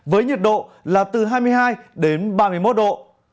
với nhiệt độ là từ hai mươi hai đến ba mươi một độ